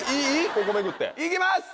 ここめくっていきます！